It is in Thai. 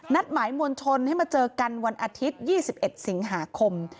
หมายมวลชนให้มาเจอกันวันอาทิตย์๒๑สิงหาคม